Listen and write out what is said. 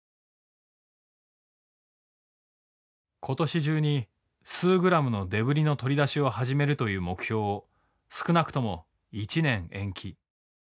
今年中に数ｇのデブリの取り出しを始めるという目標を少なくとも１年延期。